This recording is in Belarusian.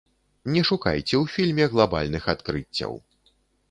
Не шукайце ў фільме глабальных адкрыццяў.